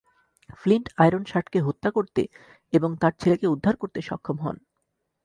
Flint Iron শার্টকে হত্যা করতে এবং তার ছেলেকে উদ্ধার করতে সক্ষম হন।